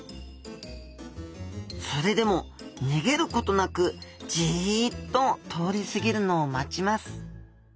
それでも逃げることなくジッと通り過ぎるのを待ちます。